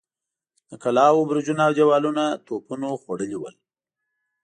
د کلاوو برجونه اودېوالونه توپونو خوړلي ول.